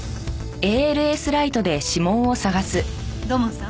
土門さん